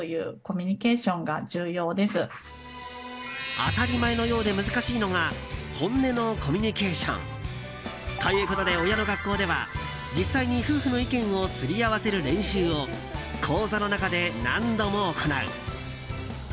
当たり前のようで難しいのが本音のコミュニケーションということで親のがっこうでは実際に夫婦の意見をすり合わせる練習を講座の中で何度も行う。